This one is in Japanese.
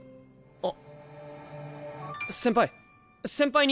あっ。